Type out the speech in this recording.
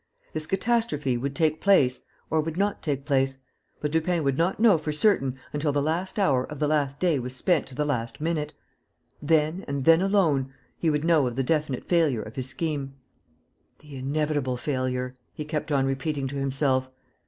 This catastrophe would take place or would not take place; but Lupin would not know for certain until the last hour of the last day was spent to the last minute. Then and then alone he would know of the definite failure of his scheme. "The inevitable failure," he kept on repeating to himself.